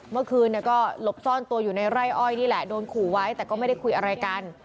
เมื่อคืนก็หลบซ่อนตัวอยู่ในไร่อ้อยนี่แหละโดนขู่ไว้แต่ก็ไม่ได้คุยอะไรกัน